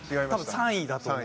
３位だと思う？